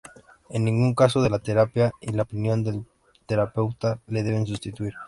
En ningún caso la terapia y la opinión del terapeuta le deben sustituir.